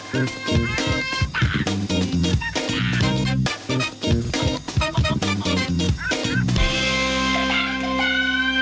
โปรดติดตามตอนต่อไป